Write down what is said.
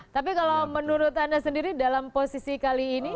tapi kalau menurut anda sendiri dalam posisi kali ini